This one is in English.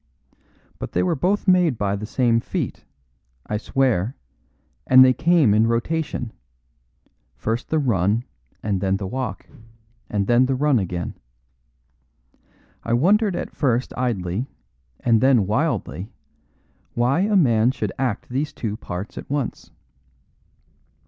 But they were both made by the same feet, I swear, and they came in rotation; first the run and then the walk, and then the run again. I wondered at first idly and then wildly why a man should act these two parts at once.